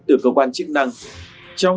từ cơ quan chức năng trong